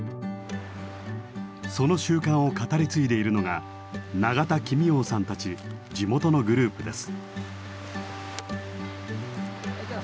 その習慣を語り継いでいるのが長田君應さんたち地元のグループです。